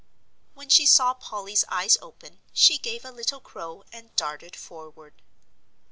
When she saw Polly's eyes open, she gave a little crow and darted forward.